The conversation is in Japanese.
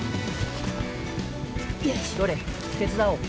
どれ手伝おう。